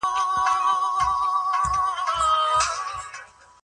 هغه ميرمن جنتي ده، چي د خپلو اولادونو سمه روزنه کوي.